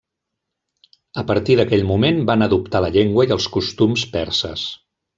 A partir d'aquell moment van adoptar la llengua i els costums perses.